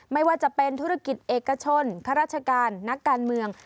ไม่ว่าจะเป็นธุรกิจเอกชนข้าราชการนักการเมือง